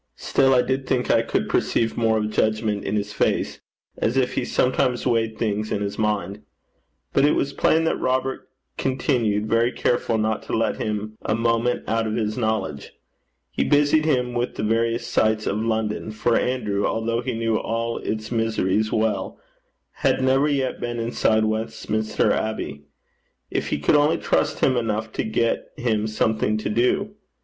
Still I did think I could perceive more of judgment in his face, as if he sometimes weighed things in his mind. But it was plain that Robert continued very careful not to let him a moment out of his knowledge. He busied him with the various sights of London, for Andrew, although he knew all its miseries well, had never yet been inside Westminster Abbey. If he could only trust him enough to get him something to do!